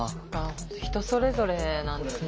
人それぞれなんですね。